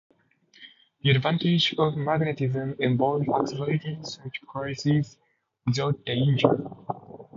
The advantage of magnetism involved accelerating such crises without danger.